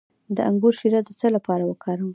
د انګور شیره د څه لپاره وکاروم؟